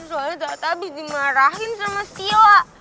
soalnya tata abis dimarahin sama stila